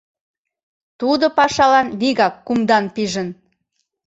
Тудо пашалан вигак кумдан пижын.